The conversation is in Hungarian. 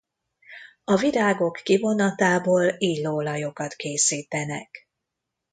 A virágok kivonatából illóolajokat készítenek.